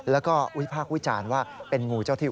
แล้วก็วิพากษ์วิจารณ์ว่าเป็นงูเจ้าที่